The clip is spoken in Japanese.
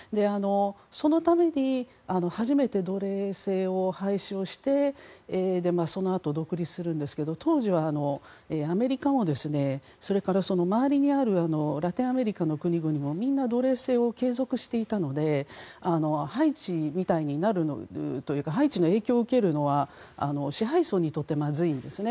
そのために、初めて奴隷制を廃止をしてそのあと、独立するんですけど当時は、アメリカもそれから周りにあるラテンアメリカの国々もみんな奴隷制を継続していたのでハイチみたいになるというかハイチの影響を受けるのは支配層にとってまずいんですね。